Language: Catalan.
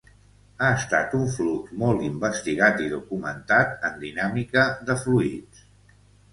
Ha estat un flux molt investigat i documentat en dinàmica de fluids.